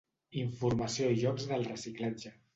Informació i jocs del reciclatge.